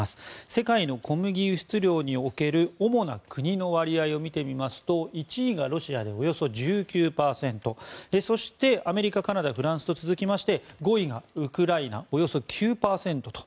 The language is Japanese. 世界の小麦輸出量における主な国の割合を見ていきますと１位がロシアでおよそ１９％そして、アメリカ、カナダフランスと続きまして５位がウクライナでおよそ９％と。